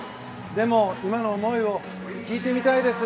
でも、今の思いを聞いてみたいです。